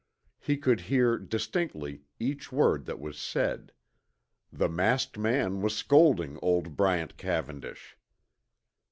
He could hear, distinctly, each word that was said. The masked man was scolding old Bryant Cavendish.